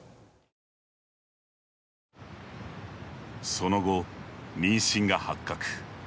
その後、妊娠が発覚。